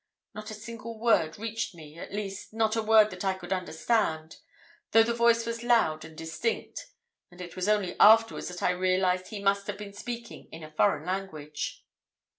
Not a single word reached me, at least, not a word that I could understand, though the voice was loud and distinct, and it was only afterwards that I realised he must have been speaking in a foreign language.